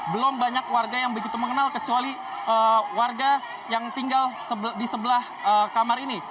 belum banyak warga yang begitu mengenal kecuali warga yang tinggal di sebelah kamar ini